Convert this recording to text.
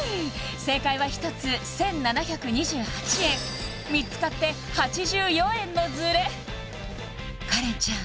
正解は１つ１７２８円３つ買って８４円のズレカレンちゃん